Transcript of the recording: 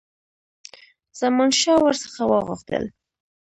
زمانشاه ور څخه وغوښتل.